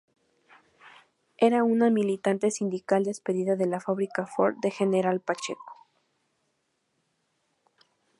Era una militante sindical despedida de la Fábrica Ford de General Pacheco.